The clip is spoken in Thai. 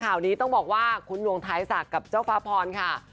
ข่าวนี้ต้องบอกว่าคุณหนวงท้ายศักดิ์กับเจ้าฟ้าพรค่ะ